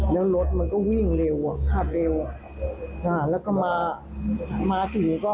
แล้วรถมันก็วิ่งเร็วอ่ะคาดเร็วแล้วก็มามาถึงก็